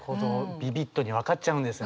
ビビッドに分かっちゃうんですね。